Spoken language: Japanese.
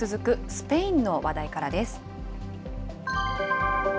スペインの話題からです。